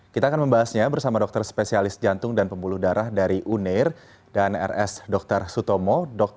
kita akan membahasnya bersama dokter spesialis jantung dan pembuluh darah dari uner dan rs dr sutomo dr